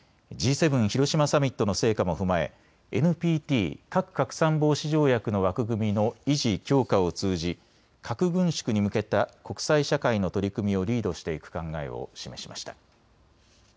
７広島サミットの成果も踏まえＮＰＴ・核拡散防止条約の枠組みの維持・強化を通じ核軍縮に向けた国際社会の取り組みをリードしていく考えを示しました。